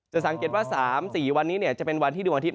สังเกตว่า๓๔วันนี้จะเป็นวันที่ดวงอาทิตย